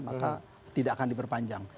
maka tidak akan diperpanjang